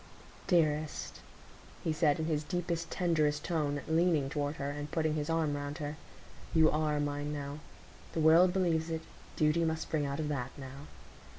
"Dearest," he said, in his deepest, tenderest tone, leaning toward her, and putting his arm round her, "you are mine now,—the world believes it; duty must spring out of that now.